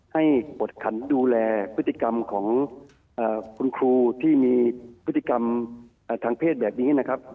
กดขันดูแลพฤติกรรมของคุณครูที่มีพฤติกรรมทางเพศแบบนี้นะครับ